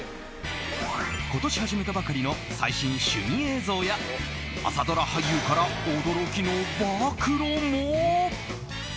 今年始めたばかりの最新趣味映像や朝ドラ俳優から驚きの暴露も。